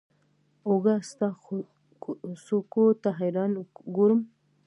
اوزه ستا څوکو ته حیران ګورم